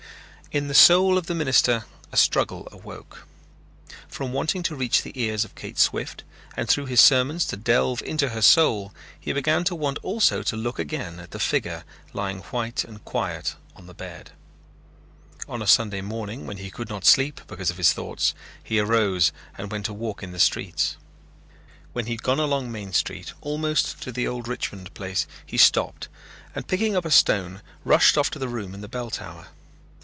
In the soul of the minister a struggle awoke. From wanting to reach the ears of Kate Swift, and through his sermons to delve into her soul, he began to want also to look again at the figure lying white and quiet in the bed. On a Sunday morning when he could not sleep because of his thoughts he arose and went to walk in the streets. When he had gone along Main Street almost to the old Richmond place he stopped and picking up a stone rushed off to the room in the bell tower.